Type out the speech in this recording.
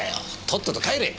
とっとと帰れ！